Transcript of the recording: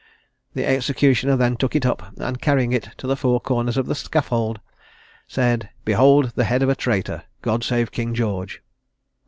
The executioner then took it up, and carrying it to the four corners of the scaffold, said, "Behold the head of a traitor. God save King George."